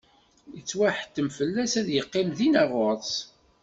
Yettwaḥettem fell-as ad yeqqim dinna ɣur-s.